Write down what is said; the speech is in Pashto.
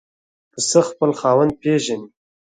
پسه خپل خاوند پېژني.